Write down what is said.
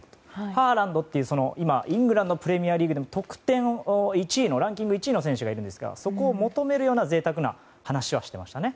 ハーランドというイングランドのプレミアリーグでも得点ランキング１位の選手がいるんですがそこを求めるような贅沢な話はしていましたね。